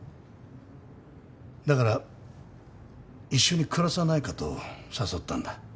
だから一緒に暮らさないかと誘ったんだ。